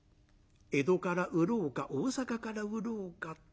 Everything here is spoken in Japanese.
江戸から売ろうか大坂から売ろうか。